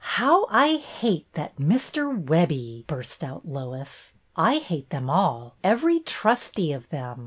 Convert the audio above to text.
''How I hate that Mr. Webbie!" burst out Lois. " I hate them all, every trustee of them